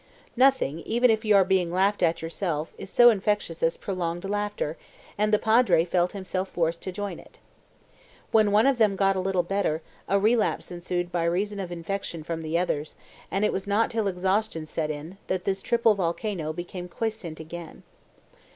Nothing, even if you are being laughed at yourself, is so infectious as prolonged laughter, and the Padre felt himself forced to join it. When one of them got a little better, a relapse ensued by reason of infection from the others, and it was not till exhaustion set in, that this triple volcano became quiescent again.